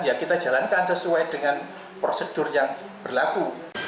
ya kita jalankan sesuai dengan prosedur yang berlaku